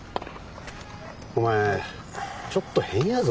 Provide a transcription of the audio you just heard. お前ちょっと変やぞ。